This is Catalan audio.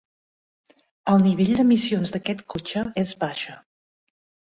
El nivell d'emissions d'aquest cotxe és baixa.